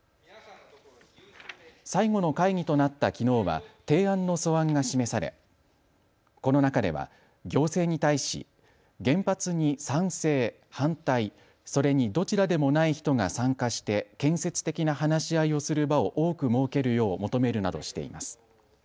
最後の会議となったきのうは提案の素案が示されこの中では行政に対し原発に賛成、反対、それにどちらでもない人が参加して建設的な話し合いをする場を多く設けるよう求めるなどしています。